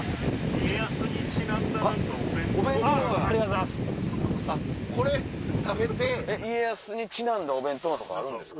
家康にちなんだお弁当とかあるんですか。